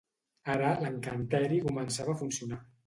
Ara l'encanteri començava a funcionar.